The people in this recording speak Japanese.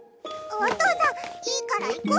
お父さんいいから行こ！